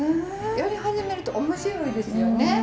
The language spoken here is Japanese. やり始めると面白いですよね。